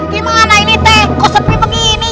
gimana ini teh kok sepi begini